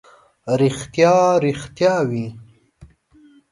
ریښتیا، ریښتیا وي.